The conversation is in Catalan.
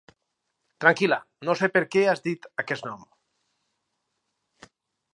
Tranquil·la, no sé per què has dit aquest nom...